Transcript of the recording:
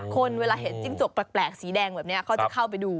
คนเวลาเห็นจิ้งจกแปลกสีแดงแบบนี้เขาจะเข้าไปดู